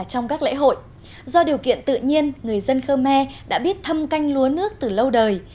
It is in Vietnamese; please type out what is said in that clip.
trong sự kiện tự nhiên người dân khơ me đã biết thâm canh lúa nước từ lâu đời